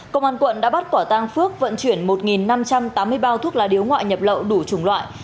công an quận đã bắt quả tăng phước vận chuyển một năm trăm tám mươi bao thuốc lá điếu ngoại nhập lậu đủ chủng loại